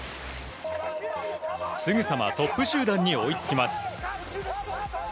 すぐさまトップ集団に追いつきます。